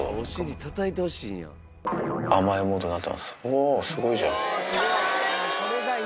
おぉすごいじゃん。